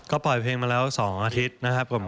ก็ปล่อยเพลงมาแล้ว๒อาทิตย์นะครับผม